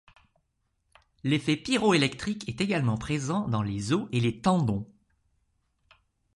L'effet pyroélectrique est également présent dans les os et les tendons.